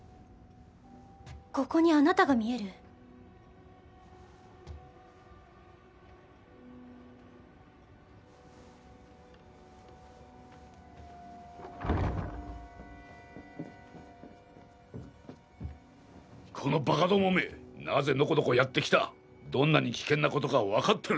ここにあなたが見えるこのバカどもめなぜノコノコやってきたどんなに危険なことか分かってるのか？